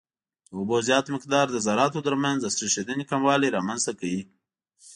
د اوبو زیات مقدار د ذراتو ترمنځ د سریښېدنې کموالی رامنځته کوي